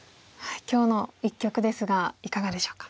今日の一局ですがいかがでしょうか？